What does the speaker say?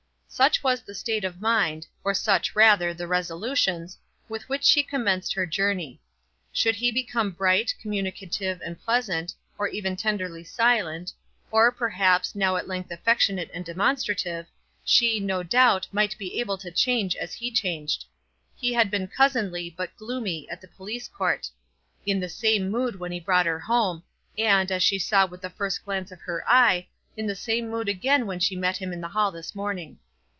Such was the state of mind, or such, rather, the resolutions, with which she commenced her journey. Should he become bright, communicative, and pleasant, or even tenderly silent, or, perhaps, now at length affectionate and demonstrative, she, no doubt, might be able to change as he changed. He had been cousinly, but gloomy, at the police court; in the same mood when he brought her home; and, as she saw with the first glance of her eye, in the same mood again when she met him in the hall this morning.